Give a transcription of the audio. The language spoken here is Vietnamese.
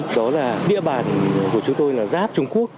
đó là địa bàn của chúng tôi là giáp trung quốc